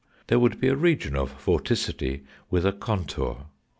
There would be a region of vorticity with a contour.